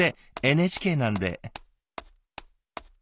ＮＨＫなんで。